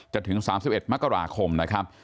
ถึง๓๑มกราคมนะครับ